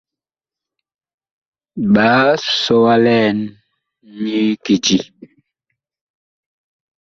Ɓa sɔ wa liɛn nyi kiti.